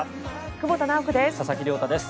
久保田直子です。